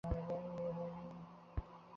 ইউরোপীয় একতার ভবিষ্যৎ নিয়ে আর কিছু না ই বা বললাম।